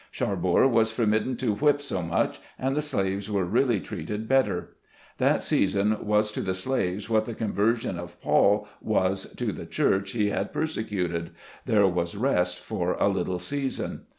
Charbour was forbidden to whip so much, and the slaves were really treated better. That season was to the slaves what the conversion of Paul was to the church he had persecuted — there was rest for a little season.